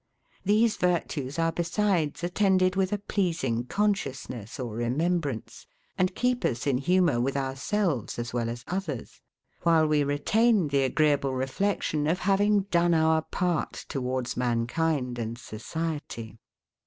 These virtues are besides attended with a pleasing consciousness or remembrance, and keep us in humour with ourselves as well as others; while we retain the agreeable reflection of having done our part towards mankind and society.